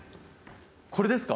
これですか？